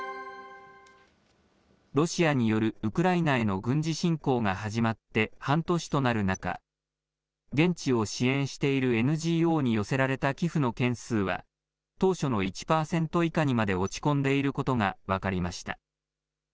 ロシアによるウクライナへの軍事侵攻が始まって半年となる中、現地を支援しているＮＧＯに寄せられた寄付の件数は、当初の１％以下にまで落ち込んでいることが分かりました。